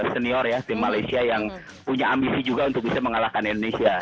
senior ya tim malaysia yang punya ambisi juga untuk bisa mengalahkan indonesia